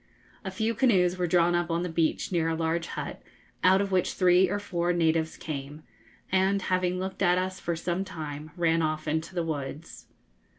A few canoes were drawn up on the beach near a large hut, out of which three or four natives came, and, having looked at us for some time, ran off into the woods.